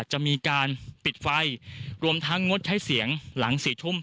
จะมีการปิดไฟรวมทั้งงดใช้เสียงหลัง๔ทุ่ม